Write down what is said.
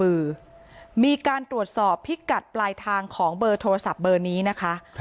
คือมีการตรวจสอบพิกัดปลายทางของเบอร์โทรศัพท์เบอร์นี้นะคะ